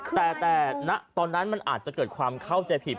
แต่ตอนนั้นมันอาจจะเกิดความเข้าใจผิด